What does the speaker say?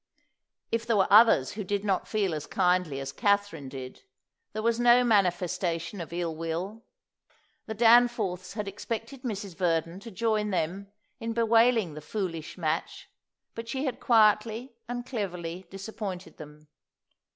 If there were others who did not feel as kindly as Katherine did, there was no manifestation of ill will. The Danforths had expected Mrs. Verdon to join them in bewailing the foolish match, but she had quietly and cleverly disappointed them.